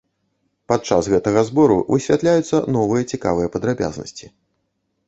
Падчас гэтага збору высвятляюцца новыя цікавыя падрабязнасці.